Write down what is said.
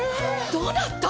どなた？